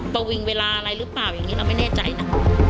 ประวิงเวลาอะไรหรือเปล่าอย่างนี้เราไม่แน่ใจนะ